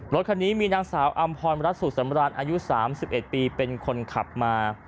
รถคันนี้มีนางสาวอำพรรัฐสุสำราญอายุ๓๑ปีเป็นคนขับมา